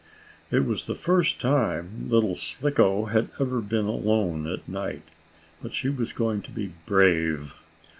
It was the first time little Slicko had ever been alone at night, but she was going to be brave.